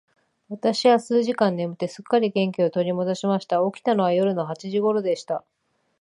私は数時間眠って、すっかり元気を取り戻しました。起きたのは夜の八時頃でした。